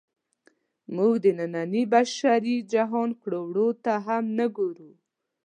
موږ د ننني بشري جهان کړو وړو ته هم نه ګورو.